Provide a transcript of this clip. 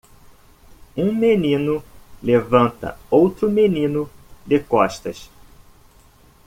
Um menino levanta outro menino de costas.